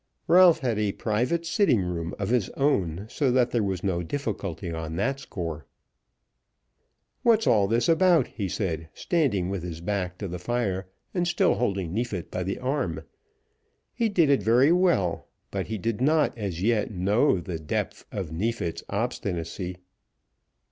Ralph had a private sitting room of his own, so that there was no difficulty on that score. "What's all this about?" he said, standing with his back to the fire, and still holding Neefit by the arm. He did it very well, but he did not as yet know the depth of Neefit's obstinacy.